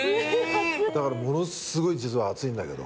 だからものすごい実は暑いんだけど。